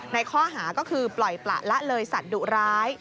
ในข้อหาก็คือปล่อยประละเลยสัตว์ดุร้าย